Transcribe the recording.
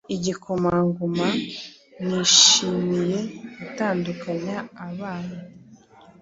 igikomangoma nishimiye gutandukanya abana